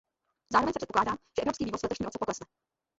Zároveň se předpokládá, že evropský vývoz v letošním roce poklesne.